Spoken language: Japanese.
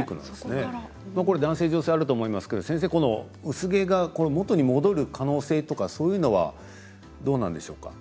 男性、女性あると思いますが薄毛は元に戻る可能性とかそういうのもどうなんでしょうか？